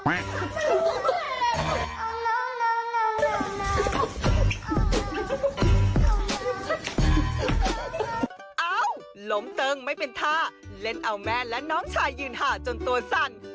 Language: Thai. เอ้าล้มตึงไม่เป็นท่าเล่นเอาแม่และน้องชายยืนหาจนตัวสั่น